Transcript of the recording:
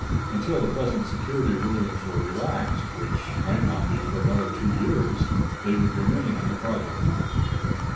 Until the present security rulings were relaxed which might not be for another two years they would remain on the project.